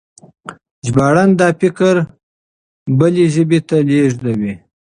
ژباړن دا فکر بلې ژبې ته لېږدوي.